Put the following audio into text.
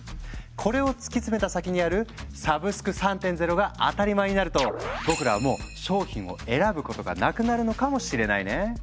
これを突き詰めた先にある「サブスク３．０」が当たり前になると僕らはもう商品を選ぶことがなくなるのかもしれないね。